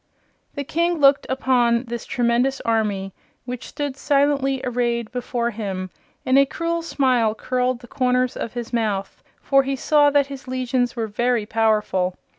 The King looked upon this tremendous army, which stood silently arrayed before him, and a cruel smile curled the corners of his mouth, for he saw that his legions were very powerful.